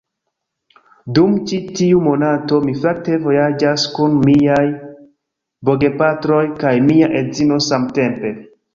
Dum ĉi tiu monato, mi fakte vojaĝas kun miaj bogepatroj kaj mia edzino samtempe